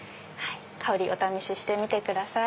香りお試ししてみてください。